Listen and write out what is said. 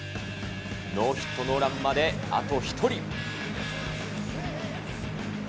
ノーヒットノーランまであと１人。